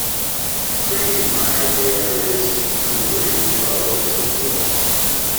Pring admired the area's goodly groves and woods.